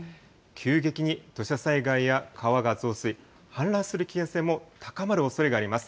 急激に土砂災害や川が増水、氾濫する危険性も高まるおそれがあります。